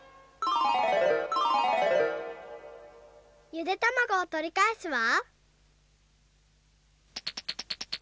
ゆでたまごをとりかえすわ。